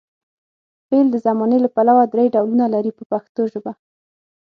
فعل د زمانې له پلوه درې ډولونه لري په پښتو ژبه.